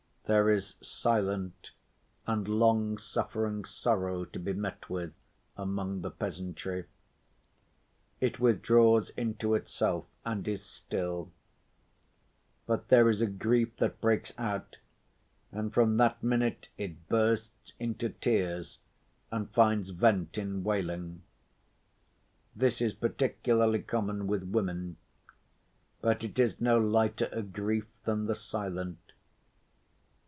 There is silent and long‐suffering sorrow to be met with among the peasantry. It withdraws into itself and is still. But there is a grief that breaks out, and from that minute it bursts into tears and finds vent in wailing. This is particularly common with women. But it is no lighter a grief than the silent.